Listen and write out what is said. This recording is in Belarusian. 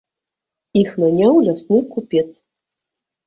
Іх наняў лясны купец.